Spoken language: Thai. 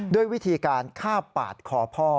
ด้วยวิธีการฆ่าปาดคอพ่อ